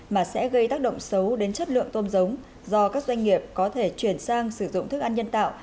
mà sẽ gây tác động xấu đến chất lượng tôm giống do các doanh nghiệp có thể chuyển sang sử dụng thức ăn nhân tạo